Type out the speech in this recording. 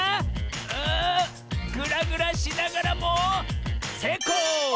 あグラグラしながらもせいこう！